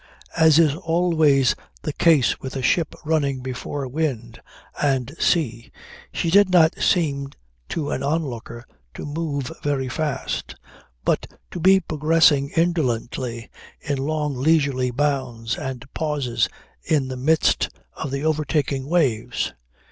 As is always the case with a ship running before wind and sea she did not seem to an onlooker to move very fast; but to be progressing indolently in long leisurely bounds and pauses in the midst of the overtaking waves.